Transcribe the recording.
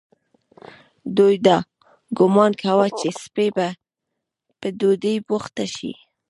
دوی دا ګومان کاوه چې سپۍ به په ډوډۍ بوخته شي.